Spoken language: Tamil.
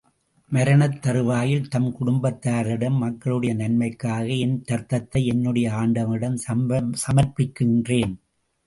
மரணத் தறுவாயில், தம் குடும்பத்தாரிடம், மக்களுடைய நன்மைக்காக என் இரத்தத்தை, என்னுடைய ஆண்டவனிடம் சமர்ப்பிக்கின்றேன்.